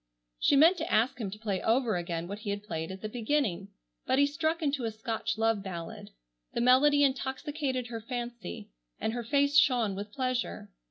She meant to ask him to play over again what he played at the beginning, but he struck into a Scotch love ballad. The melody intoxicated her fancy, and her face shone with pleasure.